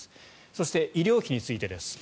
そして、医療費についてです。